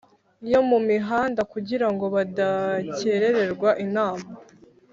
yo mu mihanda kugira ngo badakerererwa inama.